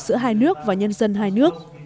giữa hai nước và nhân dân hai nước